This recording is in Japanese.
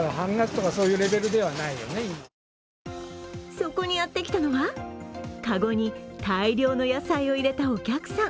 そこにやってきたのは籠に大量の野菜を入れたお客さん。